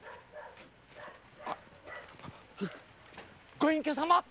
ご隠居様！